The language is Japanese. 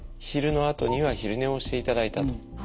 昼のあとには昼寝をしていただいたと。